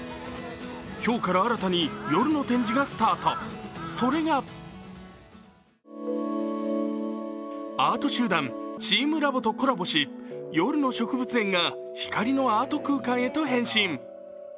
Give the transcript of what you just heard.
今日から新たに夜の展示がスタート、それがアート集団・チームラボとコラボし夜の植物園が光のアート空間へと変身。